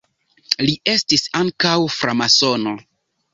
Li estis ankaŭ framasono.